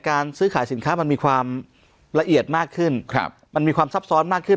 การซื้อขายสินค้ามันมีความละเอียดมากขึ้นมันมีความซับซ้อนมากขึ้น